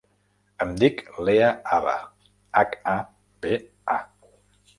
Em dic Lea Haba: hac, a, be, a.